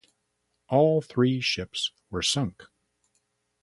All three ships were sunk.